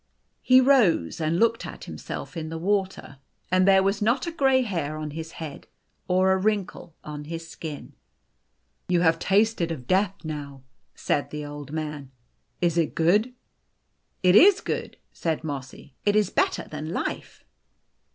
He rose and looked at himself in the water, and there was not a gray hair on his head or a wrinkle on his skin. " You have tasted of death now," said the Old Man. " Is it good ?" The Golden Key 2 i i " It is good," said Mossy. " It is better than life."